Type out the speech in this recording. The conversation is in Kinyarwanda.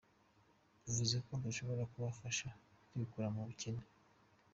bivuze ko dushobora kubafasha kwikura mu bucyene".